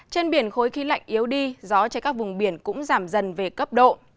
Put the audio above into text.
trên biển khối khí lạnh yếu đi gió trên các vùng biển cũng giảm dần về cấp độ